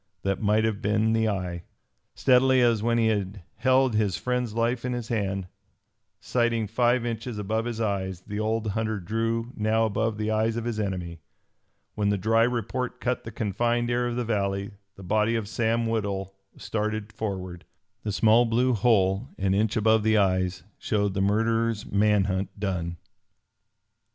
That might have been the eye. Steadily as when he had held his friend's life in his hand, sighting five inches above his eyes, the old hunter drew now above the eyes of his enemy. When the dry report cut the confined air of the valley, the body of Sam Woodhull started forward. The small blue hole an inch above the eyes showed the murderer's man hunt done.